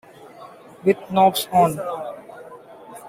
With knobs on.